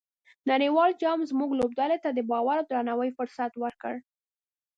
نړیوال جام زموږ لوبډلې ته د باور او درناوي فرصت ورکړ.